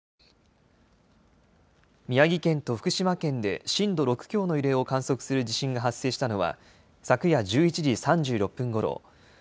宮城県と福島県で震度６強の揺れを観測する地震が発生したのは昨夜１１時３６分ごろ。